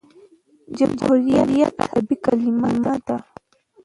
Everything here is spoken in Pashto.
جمهوریت عربي کلیمه ده.